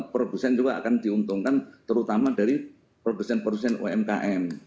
produsen juga akan diuntungkan terutama dari produsen produsen umkm